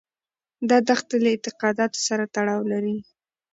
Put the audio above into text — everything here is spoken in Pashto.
دا دښتې له اعتقاداتو سره تړاو لري.